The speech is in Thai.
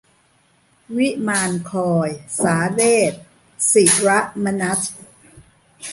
วิมานคอย - สาเรส ศิระมนัส